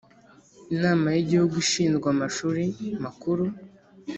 Inama y Igihugu ishinzwe amashuri makuru